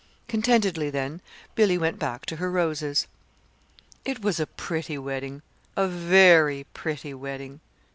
Contentedly, then, Billy went back to her roses. It was a pretty wedding, a very pretty wedding.